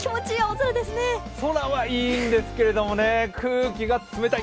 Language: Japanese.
空はいいんですけどね、空気が冷たい！